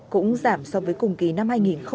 cũng giảm so với cùng kỳ năm hai nghìn một mươi chín